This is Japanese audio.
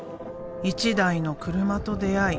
１台の車と出会い